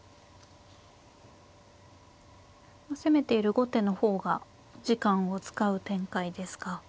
攻めている後手の方が時間を使う展開ですが。